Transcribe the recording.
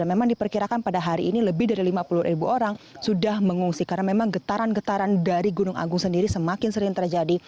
memang diperkirakan pada hari ini lebih dari lima puluh ribu orang sudah mengungsi karena memang getaran getaran dari gunung agung sendiri semakin sering terjadi